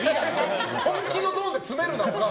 本気のトーンで詰めるなよ。